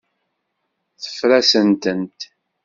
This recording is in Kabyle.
Teffer-asent-tent.